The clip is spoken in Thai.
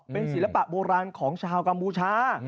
เป็นศิลปะโบราณของชาวกัมพูชา